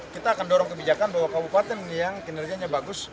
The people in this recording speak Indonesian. kita akan dorong kebijakan bahwa kabupaten yang kinerjanya bagus